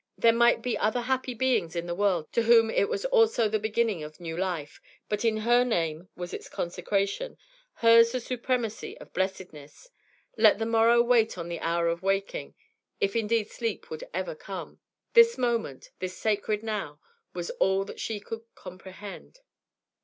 There might be other happy beings in the world to whom it was also the beginning of new life, but in her name was its consecration, hers the supremacy of blessedness. Let the morrow wait on the hour of waking, if indeed sleep would ever come; this moment, the sacred now, was all that she could comprehend.